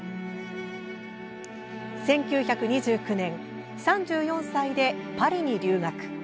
１９２９年、３４歳でパリに留学。